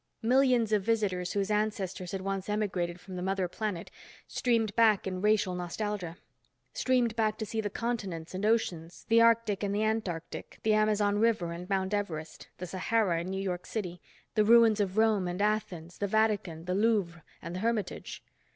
Millions of visitors whose ancestors had once emigrated from the mother planet, streamed back in racial nostalgia. Streamed back to see the continents and oceans, the Arctic and the Antarctic, the Amazon River and Mount Everest, the Sahara and New York City, the ruins of Rome and Athens, the Vatican, the Louvre and the Hermitage.